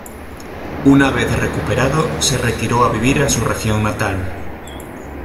Una vez recuperado se retiró a vivir a su región natal.